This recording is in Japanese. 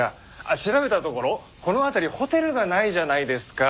あっ調べたところこの辺りホテルがないじゃないですか。